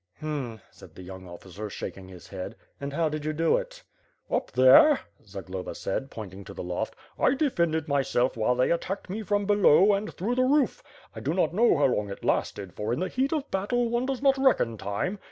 "Hm," said the young officer, shaking his head. "And how did you do it?" "Up there," Zagloba said, pointing to the loft, "T defended myself while they attacked me from below and through the roof. I do not know how long it lasted, for in the heat of battle, one does not reckon time.